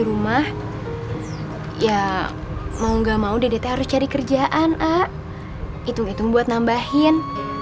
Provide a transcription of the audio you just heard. rumah ya mau nggak mau dedet harus cari kerjaan a hitung hitung buat nambahin